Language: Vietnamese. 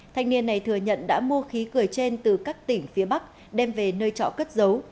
thanh niên này thừa nhận đã mua khí cười trên từ các tỉnh phía bắc đem về nơi trọ cất dấu